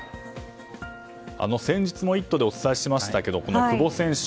先日の「イット！」でお伝えしましたが久保選手